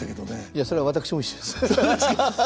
いやそれは私も一緒です。